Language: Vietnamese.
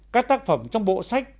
các tác phẩm trong bộ sách